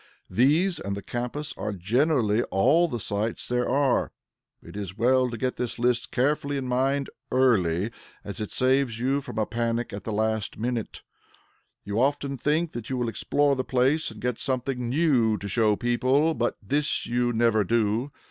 These, and the Campus, are generally all the sights there are. It is well to get this list carefully in mind early, as it saves you from a panic at the last minute. You often think that you will explore the place and get something new to show people; but this you never do.